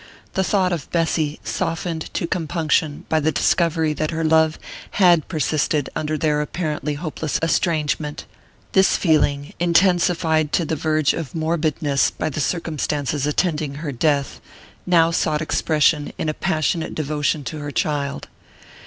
The thought of Bessy, softened to compunction by the discovery that her love had persisted under their apparently hopeless estrangement this feeling, intensified to the verge of morbidness by the circumstances attending her death, now sought expression in a passionate devotion to her child.